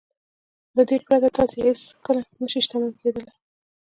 له دې پرته تاسې هېڅکله نه شئ شتمن کېدلای.